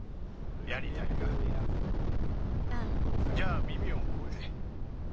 じゃ耳をもって。